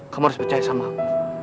kamu harus percaya sama aku